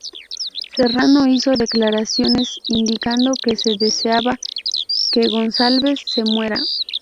Serrano hizo declaraciones indicando que deseaba que Gonsalves se muera.